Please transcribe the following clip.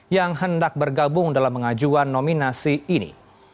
yang hendak bergabung dalam pengajuan nominasi ini